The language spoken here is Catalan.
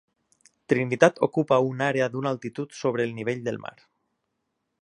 Trinitat ocupa una àrea d'una altitud sobre el nivell del mar.